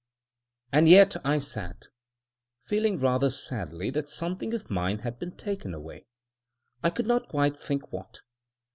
And yet I sat, feeling rather sadly that something of mine had been taken away: I could not quite think what.